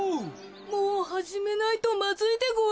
もうはじめないとまずいでごわすよ。